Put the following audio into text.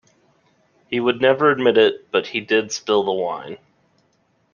He would never admit it, but he did spill the wine.